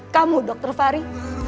kamu dokter fari